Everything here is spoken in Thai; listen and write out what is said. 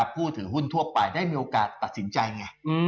ผู้ถือหุ้นทั่วไปได้มีโอกาสตัดสินใจไง